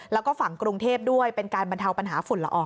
แล้วก็ฝั่งกรุงเทพด้วยเป็นการบรรเทาปัญหาฝุ่นละออง